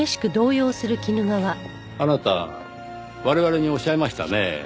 あなた我々におっしゃいましたねぇ。